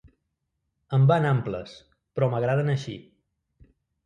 Em van amples, però m'agraden així.